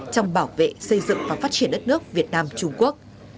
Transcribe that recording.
trong bảo vệ xây dựng và phát triển đất nước việt nam trung quốc